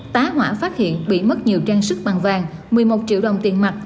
tá hỏa phát hiện bị mất nhiều trang sức bằng vàng một mươi một triệu đồng tiền mặt